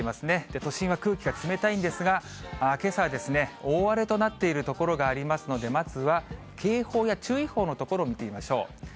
都心は空気が冷たいんですが、けさは大荒れとなっている所がありますので、まずは警報や注意報の所を見てみましょう。